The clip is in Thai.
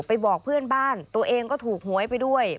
บอกเพื่อนบ้านตัวเองก็ถูกหวยไปด้วย